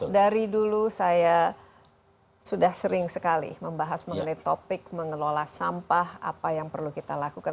dari dulu saya sudah sering sekali membahas mengenai topik mengelola sampah apa yang perlu kita lakukan